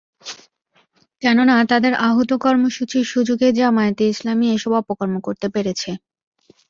কেননা, তাদের আহূত কর্মসূচির সুযোগেই জামায়াতে ইসলামী এসব অপকর্ম করতে পেরেছে।